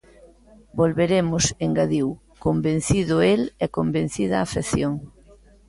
Volveremos, engadiu, convencido el e convencida a afección.